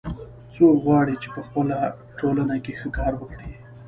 څوک غواړي چې په خپل ټولنه کې ښه کار وکړي